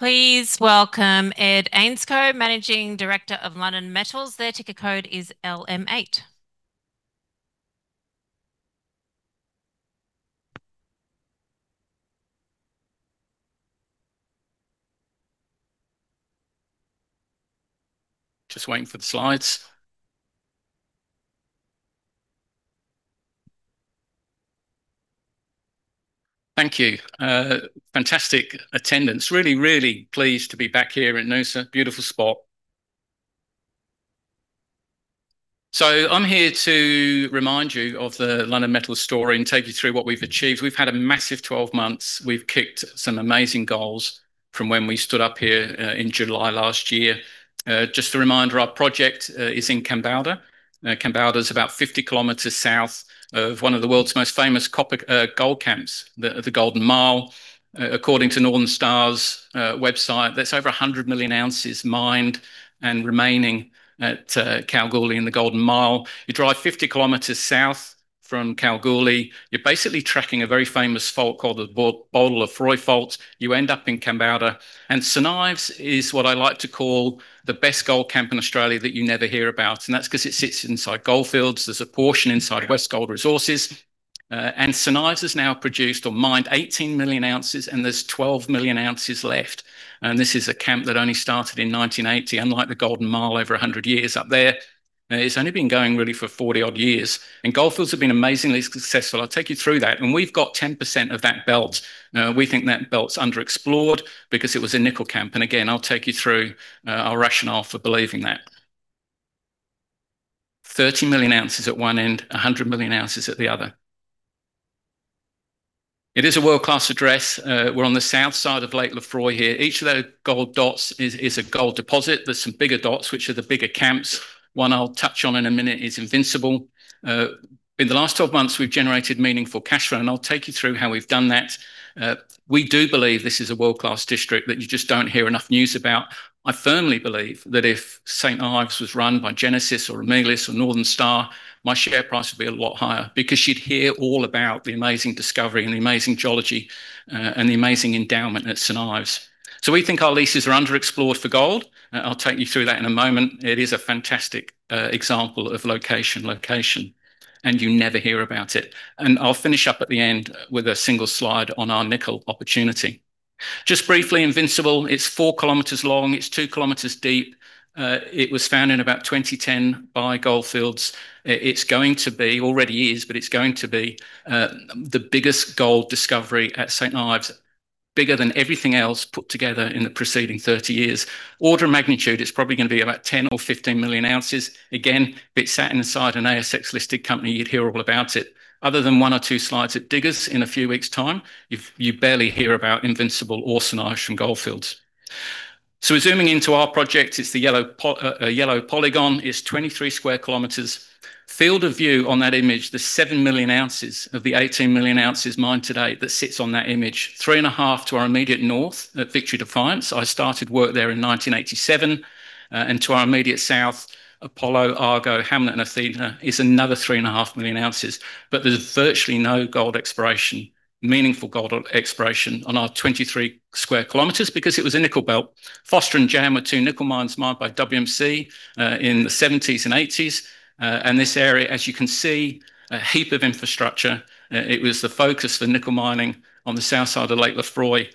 Please welcome Ed Ainscough, Managing Director of Lunnon Metals. Their ticker code is LM8. Just waiting for the slides. Thank you. Fantastic attendance. Really, really pleased to be back here in Noosa. Beautiful spot. I'm here to remind you of the Lunnon Metals story and take you through what we've achieved. We've had a massive 12 months. We've kicked some amazing goals from when we stood up here in July last year. Just a reminder, our project is in Kambalda. Kambalda's about 50 km south of one of the world's most famous gold camps, the Golden Mile. According to Northern Star's website, there's over 100 million ounces mined and remaining at Kalgoorlie in the Golden Mile. You drive 50 km south from Kalgoorlie. You're basically tracking a very famous fault called the Boulder-Lefroy Shear Zone. You end up in Kambalda. St Ives is what I like to call the best gold camp in Australia that you never hear about, and that's because it sits inside Gold Fields. There's a portion inside Westgold Resources. St Ives has now produced or mined 18 million ounces, and there's 12 million ounces left. This is a camp that only started in 1980, unlike the Golden Mile over 100 years up there. It's only been going really for 40-odd years. Gold Fields have been amazingly successful. I'll take you through that. We've got 10% of that belt. We think that belt's underexplored because it was a nickel camp. Again, I'll take you through our rationale for believing that. 30 million ounces at one end, 100 million ounces at the other. It is a world-class address. We're on the south side of Lake Lefroy here. Each of those gold dots is a gold deposit. There's some bigger dots, which are the bigger camps. One I'll touch on in a minute is Invincible. In the last 12 months, we've generated meaningful cash flow, and I'll take you through how we've done that. We do believe this is a world-class district that you just don't hear enough news about. I firmly believe that if St Ives was run by Genesis or Emerald Resources or Northern Star, my share price would be a lot higher because you'd hear all about the amazing discovery and the amazing geology, and the amazing endowment at St Ives. We think our leases are underexplored for gold. I'll take you through that in a moment. It is a fantastic example of location, and you never hear about it. I'll finish up at the end with a single slide on our nickel opportunity. Just briefly, Invincible, it's four kilometers long, it's 2 km deep. It was found in about 2010 by Gold Fields. It's going to be, already is, but it's going to be the biggest gold discovery at St Ives, bigger than everything else put together in the preceding 30 years. Order of magnitude, it's probably going to be about 10 or 15 million ounces. Again, if it sat inside an ASX-listed company, you'd hear all about it. Other than one or two slides at Diggers in a few weeks' time, you barely hear about Invincible or St Ives from Gold Fields. Zooming into our project, it's the yellow polygon. It's 23 square kilometers. Field of view on that image, the 7 million ounces of the 18 million ounces mined to date that sits on that image. Three and a half to our immediate north at Victory-Defiance. I started work there in 1987. To our immediate south, Apollo, Argo, Hamlet, and Athena is another 3.5 million ounces. There's virtually no gold exploration, meaningful gold exploration on our 23 sq km because it was a nickel belt. Foster and Jan were two nickel mines mined by WMC in the 1970s and 1980s. This area, as you can see, a heap of infrastructure. It was the focus for nickel mining on the south side of Lake Lefroy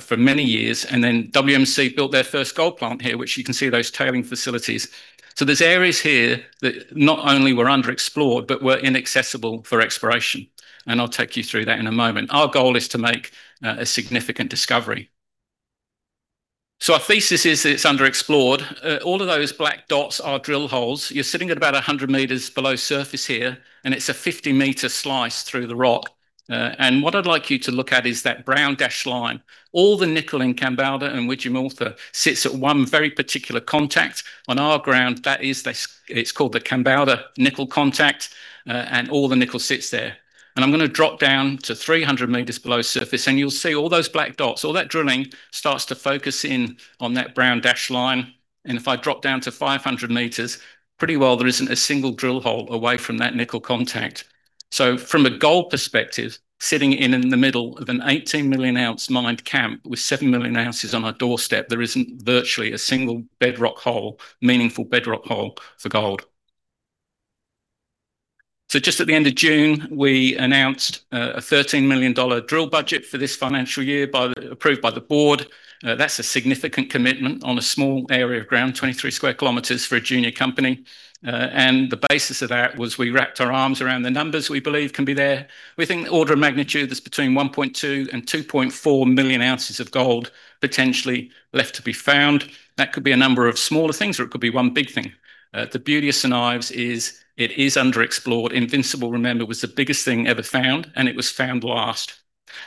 for many years. WMC built their first gold plant here, which you can see those tailings facilities. There's areas here that not only were underexplored but were inaccessible for exploration, and I'll take you through that in a moment. Our goal is to make a significant discovery. Our thesis is that it's underexplored. All of those black dots are drill holes. You're sitting at about 100 meters below surface here, and it's a 50-meter slice through the rock. What I'd like you to look at is that brown dashed line. All the nickel in Kambalda and Widgiemooltha sits at one very particular contact. On our ground, it's called the Kambalda nickel contact, and all the nickel sits there. I'm going to drop down to 300 meters below surface, and you'll see all those black dots. All that drilling starts to focus in on that brown dashed line. If I drop down to 500 meters, pretty well there isn't a single drill hole away from that nickel contact. From a gold perspective, sitting in the middle of an 18 million ounce mined camp with 7 million ounces on our doorstep, there isn't virtually a single bedrock hole, meaningful bedrock hole for gold. Just at the end of June, we announced an 13 million dollar drill budget for this financial year, approved by the board. That's a significant commitment on a small area of ground, 23 sq km for a junior company. The basis of that was we wrapped our arms around the numbers we believe can be there. We think the order of magnitude is between 1.2 and 2.4 million ounces of gold potentially left to be found. That could be a number of smaller things, or it could be one big thing. The beauty of St Ives is it is underexplored. Invincible, remember, was the biggest thing ever found, and it was found last.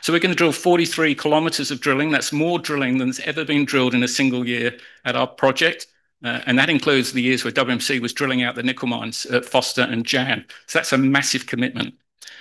We're going to drill 43 km of drilling. That's more drilling than has ever been drilled in a single year at our project, and that includes the years where WMC was drilling out the nickel mines at Foster and Jan. That's a massive commitment.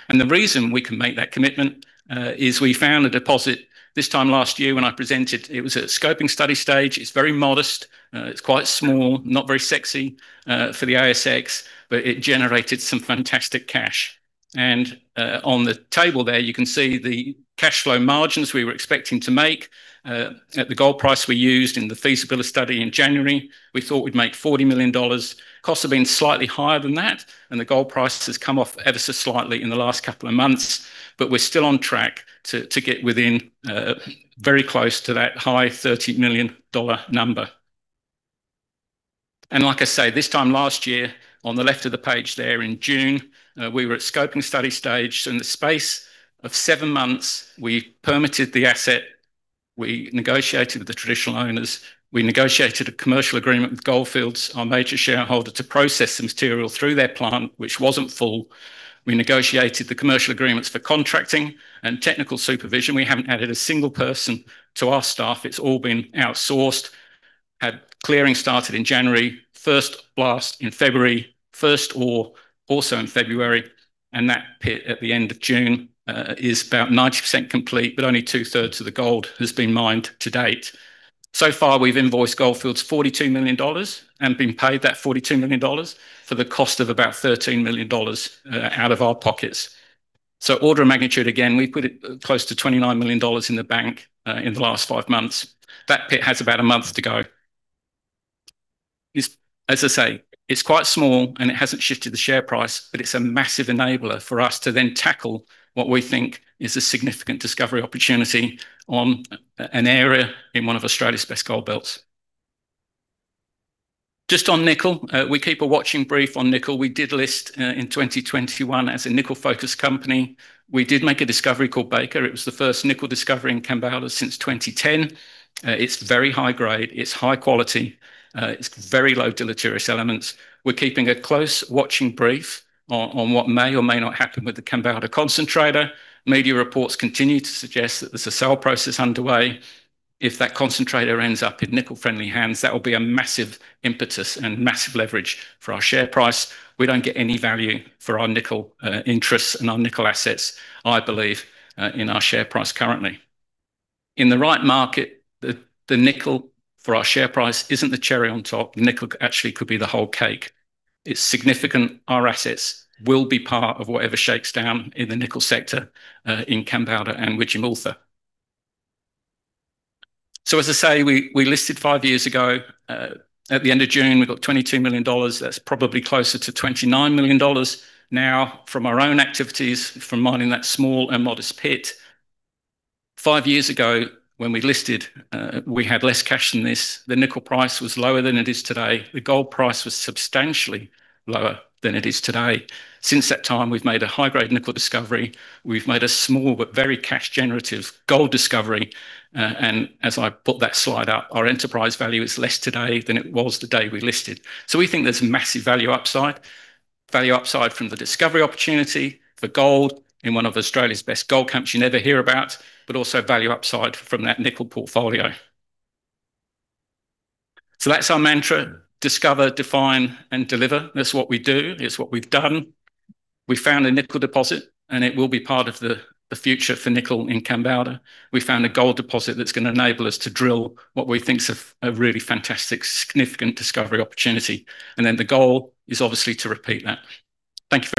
The reason we can make that commitment is we found a deposit this time last year when I presented. It was at scoping study stage. It's very modest. It's quite small, not very sexy for the ASX, but it generated some fantastic cash. On the table there, you can see the cashflow margins we were expecting to make at the gold price we used in the feasibility study in January. We thought we'd make 40 million dollars. Costs have been slightly higher than that, and the gold price has come off ever so slightly in the last couple of months. We're still on track to get within very close to that high 30 million dollar number. Like I say, this time last year, on the left of the page there in June, we were at scoping study stage. In the space of 7 months, we permitted the asset, we negotiated with the traditional owners, we negotiated a commercial agreement with Gold Fields, our major shareholder, to process the material through their plant, which wasn't full. We negotiated the commercial agreements for contracting and technical supervision. We haven't added a single person to our staff. It's all been outsourced. Had clearing started in January, first blast in February, first ore also in February, and that pit at the end of June is about 90% complete, but only two-thirds of the gold has been mined to date. Far, we've invoiced Gold Fields 42 million dollars, and been paid that 42 million dollars for the cost of about 13 million dollars out of our pockets. Order of magnitude, again, we've put close to 29 million dollars in the bank in the last 5 months. That pit has about a month to go. As I say, it's quite small and it hasn't shifted the share price, but it's a massive enabler for us to then tackle what we think is a significant discovery opportunity on an area in one of Australia's best gold belts. Just on nickel. We keep a watching brief on nickel. We did list in 2021 as a nickel-focused company. We did make a discovery called Baker. It was the first nickel discovery in Kambalda since 2010. It's very high grade, it's high quality, it's very low deleterious elements. We're keeping a close watching brief on what may or may not happen with the Kambalda concentrator. Media reports continue to suggest that there's a sale process underway. If that concentrator ends up in nickel-friendly hands, that will be a massive impetus and massive leverage for our share price. We don't get any value for our nickel interests and our nickel assets, I believe, in our share price currently. In the right market, the nickel for our share price isn't the cherry on top, nickel actually could be the whole cake. It's significant our assets will be part of whatever shakes down in the nickel sector in Kambalda and Widgiemooltha. As I say, we listed 5 years ago. At the end of June, we've got 22 million dollars. That's probably closer to 29 million dollars now from our own activities, from mining that small and modest pit. 5 years ago, when we listed, we had less cash than this. The nickel price was lower than it is today. The gold price was substantially lower than it is today. Since that time, we've made a high-grade nickel discovery. We've made a small but very cash-generative gold discovery. As I put that slide up, our enterprise value is less today than it was the day we listed. We think there's massive value upside. Value upside from the discovery opportunity for gold in one of Australia's best gold camps you never hear about, but also value upside from that nickel portfolio. That's our mantra. Discover, define, and deliver. That's what we do. It's what we've done. We found a nickel deposit, and it will be part of the future for nickel in Kambalda. We found a gold deposit that's going to enable us to drill what we think is a really fantastic, significant discovery opportunity. The goal is obviously to repeat that. Thank you